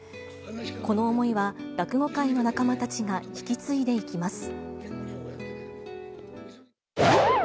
この思いは、落語界の仲間たちが引き継いでいきます。